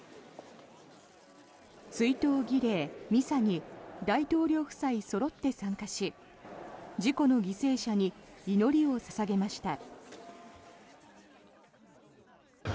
追悼儀礼、ミサに大統領夫妻そろって参加し事故の犠牲者に祈りを捧げました。